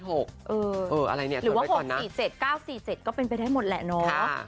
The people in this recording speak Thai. หรือว่า๖๔๗๙๔๗ก็เป็นไปได้หมดแหละเนาะ